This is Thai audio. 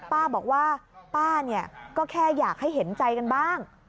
ป้าบอกว่าป้าเนี่ยก็แค่อยากให้เห็นใจกันบ้าง